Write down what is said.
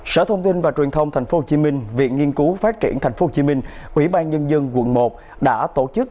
sở thông tin và truyền thông tp hcm viện nghiên cứu phát triển tp hcm ủy ban nhân dân quận một đã tổ chức